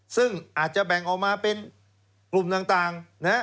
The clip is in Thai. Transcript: ซึ่งอาจจะแบ่งออกมาเป็นกลุ่มต่าง